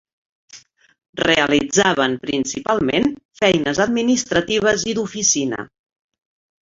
Realitzaven principalment feines administratives i d'oficina.